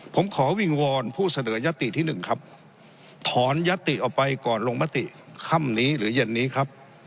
ผมขอวิงวอนผู้เสนอยัตติที่หนึ่งครับถอนยัตติออกไปก่อนลงมติค่ำนี้หรือเย็นนี้ครับ